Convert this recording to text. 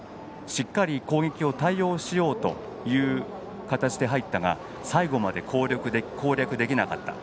しっかり攻撃を対応しようという形で入ったが最後まで攻略できなかった。